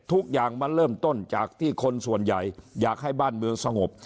ทุกอย่างมันเริ่มต้นจากที่คนส่วนใหญ่อยากให้บ้านเมืองสงบ